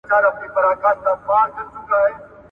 خصوصي سکتور د هېواد اقتصاد بدل کړ.